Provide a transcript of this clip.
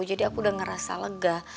jadi aku udah ngerasa lega